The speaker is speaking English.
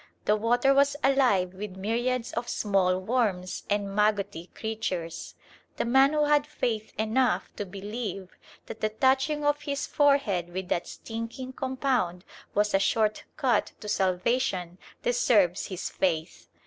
The water was alive with myriads of small worms and magotty creatures! The man who had faith enough to believe that the touching of his forehead with that stinking compound was a short cut to salvation deserves his faith.